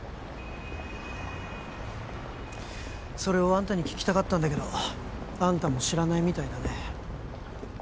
それをあんたに聞きたかったんだけどあんたも知らないみたいだね